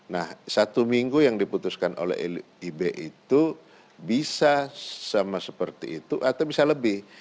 nah satu minggu yang diputuskan oleh lib itu bisa sama seperti itu atau bisa lebih